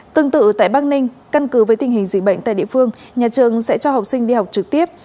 tương tự tại bắc ninh căn cứ với tình hình dịch bệnh tại địa phương nhà trường sẽ cho học sinh đi học trực tiếp